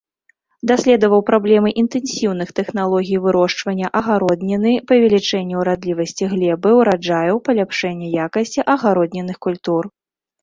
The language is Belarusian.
Даследаваў праблемы інтэнсіўных тэхналогій вырошчвання агародніны, павелічэння ўрадлівасці глебы, ураджаяў, паляпшэння якасці агароднінных культур.